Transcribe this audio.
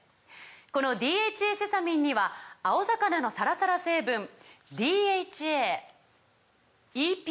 この「ＤＨＡセサミン」には青魚のサラサラ成分ＤＨＡＥＰＡ